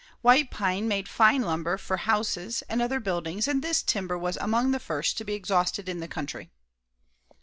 White pine made fine lumber for houses and other buildings and this timber was among the first to be exhausted in the country.